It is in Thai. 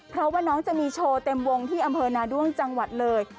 เพราะว่าน้องจะมีโชว์เต็มวงที่อำเภอนาด้วงจังหวัดเลย